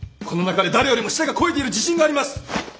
この中で誰よりも舌が肥えている自信があります！